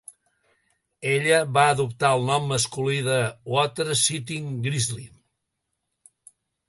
Ella va adoptar el nom masculí de Water Sitting Grizzly.